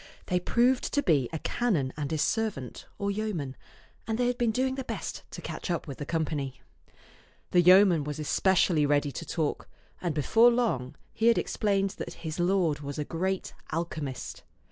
They proved to be a canon and his servant, or yeoman, and they had been doing their best to catch up with the company. The yeoman was especially ready to talk, and before long he had explained that his lord was a great alchemist.